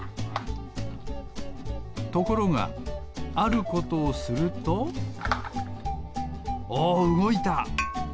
ところがあることをするとおおうごいた。